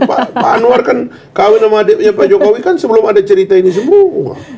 pak anwar kan kawin sama pak jokowi kan sebelum ada cerita ini semua